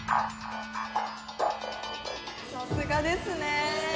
さすがですね。